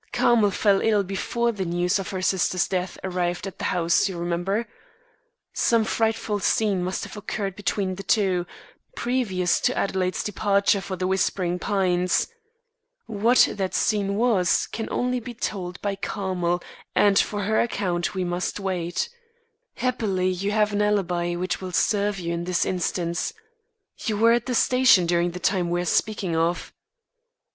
Carmel fell ill before the news of her sister's death arrived at the house, you remember. Some frightful scene must have occurred between the two, previous to Adelaide's departure for The Whispering Pines. What that scene was can only be told by Carmel and for her account we must wait. Happily you have an alibi which will serve you in this instance. You were at the station during the time we are speaking of."